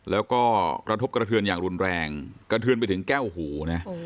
แล้วก็กระทบกระเทือนอย่างรุนแรงกระเทือนไปถึงแก้วหูนะ